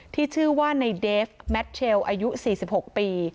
ที่ชื่อว่าในเดฟแมทเทลอายุ๔๖ปี